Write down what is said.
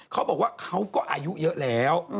เขาบอกว่าเขาก็อายุเยอะแล้ว